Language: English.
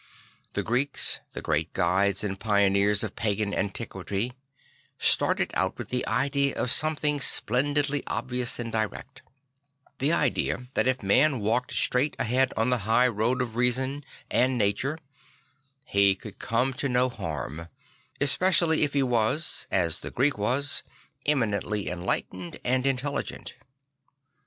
The Greeks, the great guides and pioneers of pagan antiquity, started out with the idea of something splendidly obvious and direct; the idea that if man walked straight ahead on the high road of reason and nature, he could come to no harm; especially if he was, as the Greek was, eminently enlightened and intelligent.